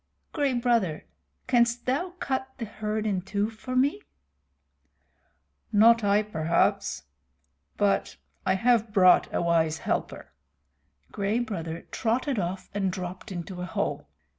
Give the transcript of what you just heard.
Gray Brother, canst thou cut the herd in two for me?" "Not I, perhaps but I have brought a wise helper." Gray Brother trotted off and dropped into a hole.